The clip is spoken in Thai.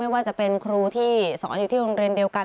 ว่าจะเป็นครูที่สอนอยู่ที่โรงเรียนเดียวกัน